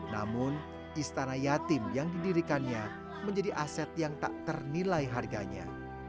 namun istana yatim yang didirikannya menjadi aset yang tak ternilai harganya